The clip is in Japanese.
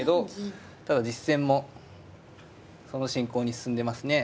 ただ実戦もその進行に進んでますね。